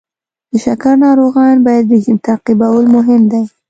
د شکر ناروغان باید رژیم تعقیبول مهم دی.